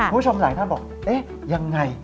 คุณผู้ชมหลายท่านบอกเอ๊ะยังไง